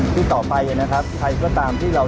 ที่ต่อไปนะครับใครก็ตามที่เรา